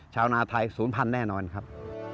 ชาวนาไทยศูนย์พันธุ์แน่นอนครับ